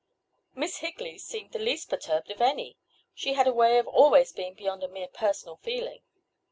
Miss Higley seemed the least perturbed of any—she had a way of always being beyond a mere personal feeling.